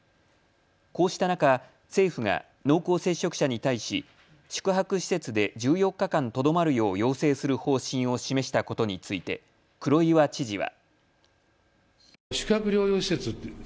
こうした中、政府が濃厚接触者に対し宿泊施設で１４日間とどまるよう要請する方針を示したことについて黒岩知事は。